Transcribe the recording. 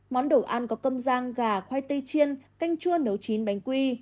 món đồ ăn có cơm giang gà khoai tây chiên canh chua nấu chín bánh quy